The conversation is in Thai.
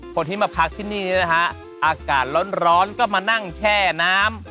คนที่มาพักที่นี่นะฮะอากาศร้อนก็มานั่งแช่น้ำ